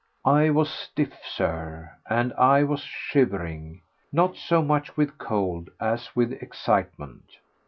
I was stiff, Sir, and I was shivering—not so much with cold as with excitement.